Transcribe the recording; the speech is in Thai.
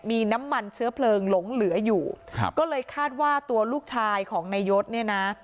มีน้ำมันเชื้อเพลิงหลงเหลืออยู่ครับก็เลยคาดว่าตัวลูกชายของนายยศเนี่ยนะ